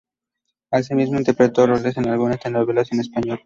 Asimismo interpretó roles en algunas telenovelas en español.